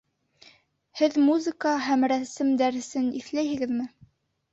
Һеҙ музыка һәм рәсем дәресен иҫләйһегеҙме?